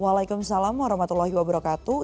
waalaikumsalam warahmatullahi wabarakatuh